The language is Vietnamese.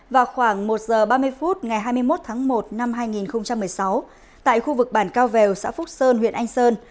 vào khoảng một giờ ba mươi phút ngày hai mươi một tháng một năm hai nghìn một mươi sáu tại khu vực bản cao vèo xã phúc sơn huyện anh sơn